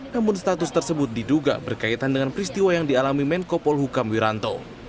namun status tersebut diduga berkaitan dengan peristiwa yang dialami menko polhukam wiranto